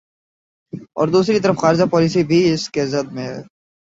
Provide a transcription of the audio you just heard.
ا ور دوسری طرف خارجہ پالیسی بھی اس کی زد میں ہے۔